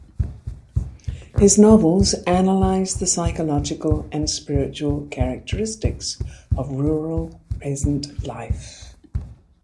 His novels analyze the psychological and spiritual characteristics of rural, peasant life.